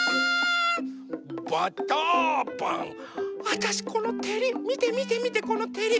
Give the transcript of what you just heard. わたしこのてりみてみてみてこのてり。